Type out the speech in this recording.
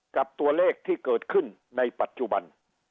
กับตัวเลขที่เกิดขึ้นในปัจจุบัน